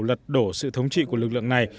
lật đổ sự thống trị của lực lượng này